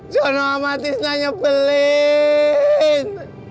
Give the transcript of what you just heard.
jangan lupa tanya pelen